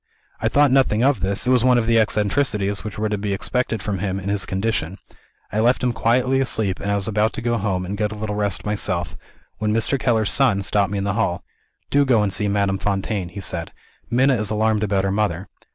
I thought nothing of this it was one of the eccentricities which were to be expected from him, in his condition. I left him quietly asleep; and I was about to go home, and get a little rest myself when Mr. Keller's son stopped me in the hall. 'Do go and see Madame Fontaine,' he said; 'Minna is alarmed about her mother.'